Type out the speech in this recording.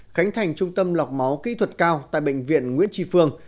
khánh thành trung tâm lọc máu kỹ thuật cao tại bệnh viện nguyễn tri phương